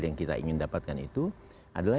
yang kita ingin dapatkan itu adalah